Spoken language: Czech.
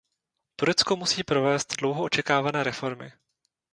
Turecko musí provést dlouho očekávané reformy.